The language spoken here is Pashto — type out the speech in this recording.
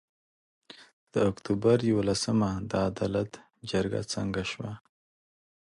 د اُکټوبر یولسمه د عدالت جرګه څنګه سوه؟